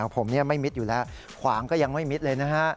ผมไม่มิดอยู่แล้วขวางก็ยังไม่มิดเลยนะฮะ